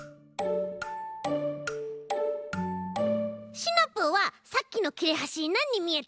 シナプーはさっきのきれはしなんにみえた？